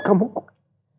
kamu dan cucu papa